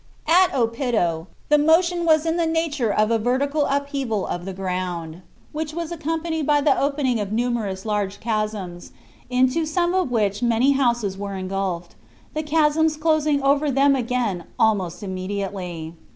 At Oppido the motion was in the nature of a vertical upheaval of the ground, which was accompanied by the opening of numerous large chasms, into some of which many houses were ingulfed, the chasms closing over them again almost immediately.